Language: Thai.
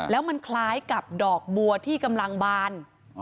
แล้วมันคล้ายกับดอกบัวที่กำลังบาน